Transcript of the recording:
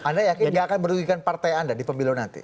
anda yakin nggak akan merugikan partai anda di pemilu nanti